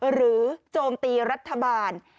หรือโจมตีรัฐบาล